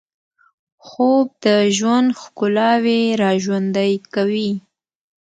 خوب د ژوند ښکلاوې راژوندۍ کوي